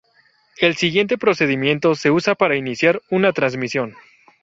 El siguiente procedimiento se usa para iniciar una transmisión.